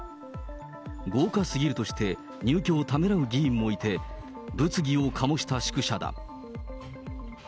豪華すぎるとして入居をためらう議員もいて、物議を醸した宿舎だ。